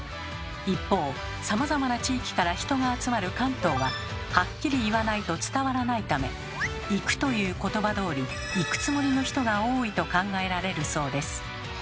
一方さまざまな地域から人が集まる関東はハッキリ言わないと伝わらないため「行く」という言葉どおり行くつもりの人が多いと考えられるそうです。